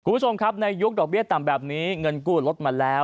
คุณผู้ชมครับในยุคดอกเบี้ยต่ำแบบนี้เงินกู้ลดมาแล้ว